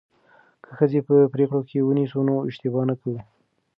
که ښځې په پریکړو کې ونیسو نو اشتباه نه کوو.